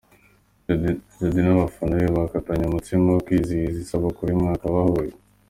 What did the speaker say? Jody n'abafana be bakatanye umutsima wo kwizihiza isabukuru y'umwaka bahuye.